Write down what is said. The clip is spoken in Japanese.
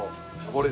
これ。